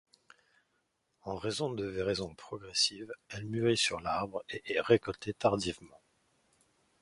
En raison de véraison progressive, elle mûrit sur l'arbre et est récoltée tardivement.